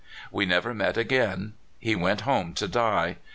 We never met again. He w^ent home to die.